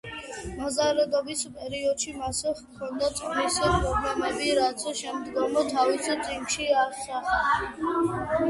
მოზარდობის პერიოდში მას ჰქონდა წონის პრობლემები, რაც შემდგომ თავის წიგნში ასახა.